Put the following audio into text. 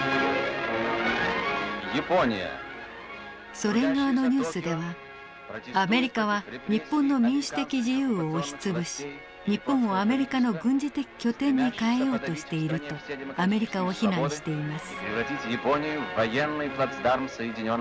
ソ連側のニュースではアメリカは日本の民主的自由を押し潰し日本をアメリカの軍事的拠点に変えようとしているとアメリカを非難しています。